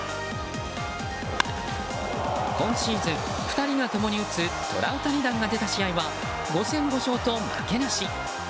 今シーズン、２人が共に打つトラウタニ弾が出た試合は５戦５勝と負けなし。